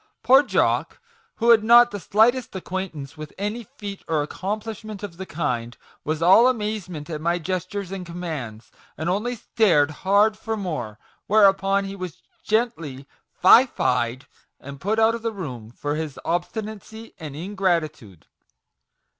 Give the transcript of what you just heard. Poor Jock, who had not the slightest acquaint ance with any feat or accomplishment of the kind, was all amazement at my gestures and commands, and only stared hard for more ; whereupon he was gently ' fie fad,' and put out of the room for his obstinacy and ingrati tude!"